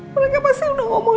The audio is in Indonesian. mereka pasti udah ngomongin